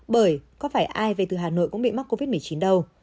bởi có phải ai về từ hà nội cũng bị mắc covid một mươi chín đâu